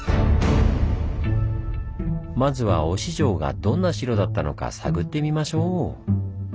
まずは忍城がどんな城だったのか探ってみましょう！